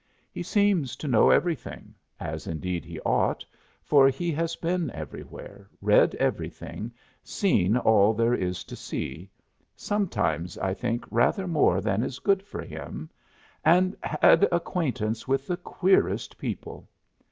He seems to know everything, as indeed he ought, for he has been everywhere, read everything, seen all there is to see sometimes I think rather more than is good for him and had acquaintance with the queerest people.